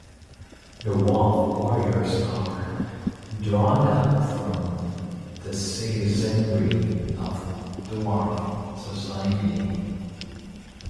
Dwarf Warriors are drawn up from the citizenry of Dwarf society.